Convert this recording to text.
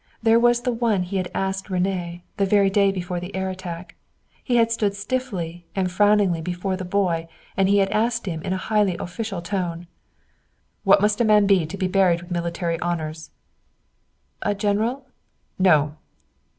There was the one he had asked René, the very day before the air attack. He had stood stiffly and frowningly before the boy, and he had asked in a highly official tone: "What must a man be to be buried with military honors?" "A general?" "No."